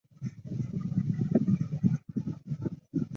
所以辐照肿胀是核燃料棒寿命的限制因素之一。